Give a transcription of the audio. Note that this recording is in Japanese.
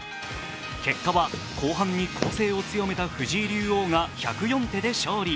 結果は後半に攻勢を強めた藤井竜王が１０４手で勝利。